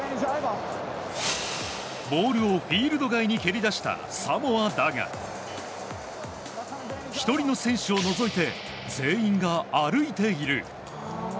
ボールをフィールド外に蹴り出したサモアだが１人の選手を除いて全員が歩いている。